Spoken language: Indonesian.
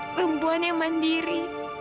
perempuan yang mandiri